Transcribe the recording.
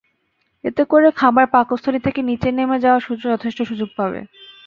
এতে করে খাবার পাকস্থলী থেকে নিচে নেমে যাওয়ার যথেষ্ট সুযোগ পাবে।